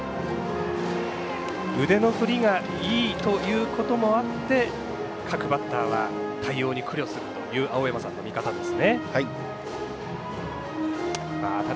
腕の振りがいいということもあって各バッターは対応に苦慮するという青山さんの見方です。